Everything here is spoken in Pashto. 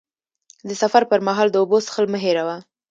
د سفر پر مهال د اوبو څښل مه هېروه.